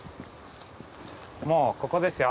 もうここですよ。